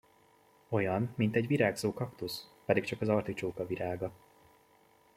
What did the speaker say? Olyan, mint egy virágzó kaktusz, pedig csak az articsóka virága.